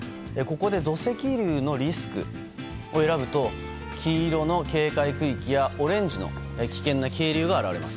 土石流のリスクを選ぶと黄色の警戒区域やオレンジの危険な渓流が現れます。